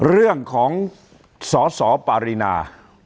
เรื่องของสสปารินา